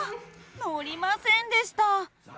のりませんでした。